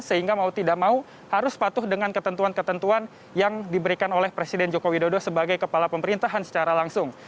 sehingga mau tidak mau harus patuh dengan ketentuan ketentuan yang diberikan oleh presiden joko widodo sebagai kepala pemerintahan secara langsung